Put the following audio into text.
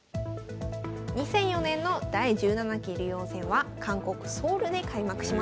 ２００４年の第１７期竜王戦は韓国・ソウルで開幕しました。